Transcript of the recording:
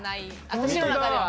私の中では。